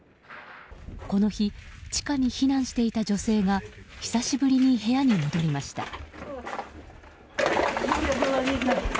この日地下に避難していた女性が久しぶりに部屋に戻りました。